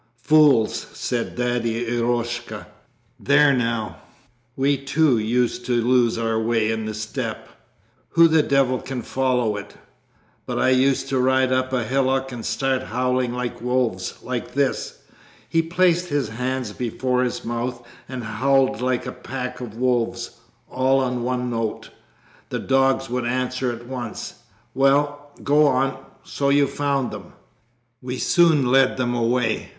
'Fools!' said Daddy Eroshka. 'There now, we too used to lose our way in the steppe. (Who the devil can follow it?) But I used to ride up a hillock and start howling like the wolves, like this!' He placed his hands before his mouth, and howled like a pack of wolves, all on one note. 'The dogs would answer at once ... Well, go on so you found them?' 'We soon led them away!